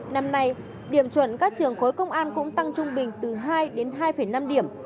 năm nay điểm chuẩn các trường khối công an cũng tăng trung bình từ hai đến hai năm điểm